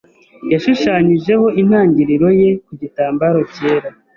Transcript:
Yashushanyijeho intangiriro ye ku gitambaro cyera.